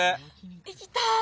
行きたい！